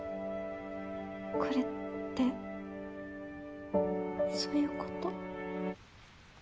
これってそういうこと？